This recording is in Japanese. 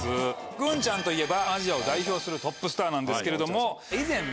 グンちゃんといえばアジアを代表するトップスターなんですけれども以前。